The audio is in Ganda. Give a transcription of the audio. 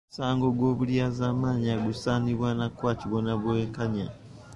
Omusango gw’okulyazaamaanya gusaana kukwatibwa na bwenkanya